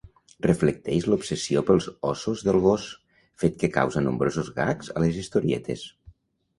Reflecteix l'obsessió pels ossos del gos, fet que causa nombrosos gags a les historietes.